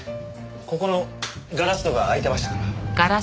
ここのガラス戸が開いてましたから。